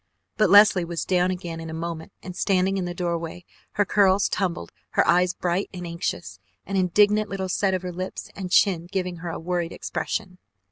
But Leslie was down again in a moment and standing in the doorway, her curls tumbled, her eyes bright and anxious, an indignant little set of lips and chin giving her a worried expression.